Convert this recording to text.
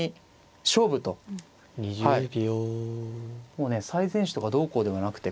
もうね最善手とかどうこうではなくて。